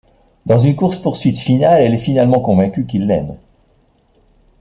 Dans une course-poursuite finale, elle est finalement convaincue qu'il l'aime.